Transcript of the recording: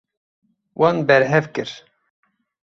Wan berhev kir.